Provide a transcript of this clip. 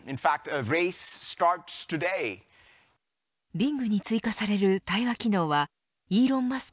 Ｂｉｎｇに追加される対話機能はイーロン・マスク